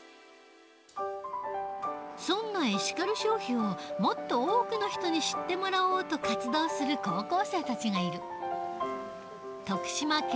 そんなエシカル消費をもっと多くの人に知ってもらおうと活動する高校生たちがいる。